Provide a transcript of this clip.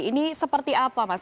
ini seperti apa mas